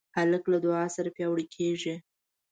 هلک له دعا سره پیاوړی کېږي.